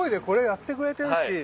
これやってくれてるし。